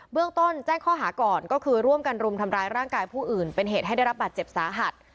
เรื่องต้นแจ้งข้อหาก่อนก็คือร่วมกันรุมทำร้ายร่างกายผู้อื่นเป็นเหตุให้ได้รับบาดเจ็บสาหัส